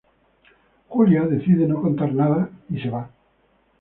Julia decide no contar nada y se va.